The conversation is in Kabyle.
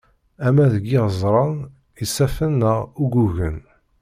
Ama deg yiɣeẓran, isaffen neɣ uggugen.